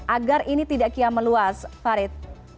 agar ini tidak kian meluas farid